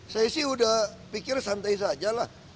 saya sih udah pikir santai saja lah